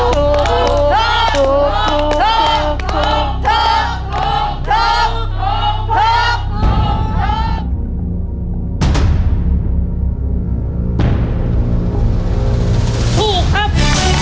ถูกครับ